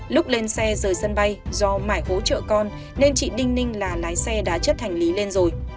lúc lên xe rời sân bay do mải hỗ trợ con nên chị đinh ninh là lái xe đã chất hành lý lên rồi